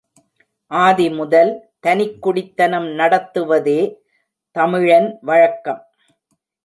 ஆதி முதல் தனிக்குடித்தனம் நடத்துவதே தமிழன் வழக்கம்.